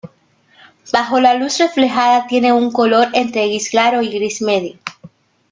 Bajo luz reflejada, tiene un color entre gris claro y gris medio.